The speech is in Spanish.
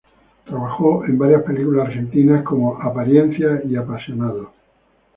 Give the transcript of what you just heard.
Trabajó en varias películas argentinas como "Apariencias" y "Apasionados".